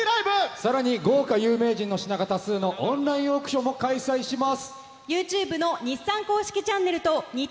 さらに、豪華有名人多数のオンラインオークションも開催します。